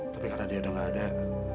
tapi karena dia udah gak ada